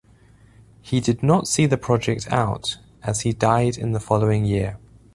He did not see the project out, as he died in the following year.